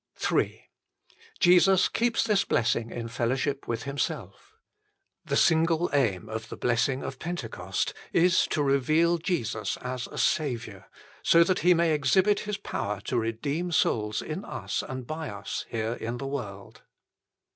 Ill Jesus keeps this blessing in fellowship with Himself. The single aim of the blessing of Pentecost is to reveal Jesus as a Saviour, so that He may exhibit His power to redeem souls in us and by us here in the world.